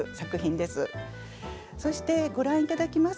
そしてご覧いただきます